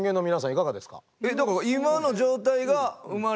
いかがですか？